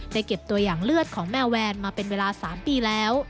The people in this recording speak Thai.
เก็บตัวอย่างเลือดของแมวแวนมาเป็นเวลา๓ปีแล้ว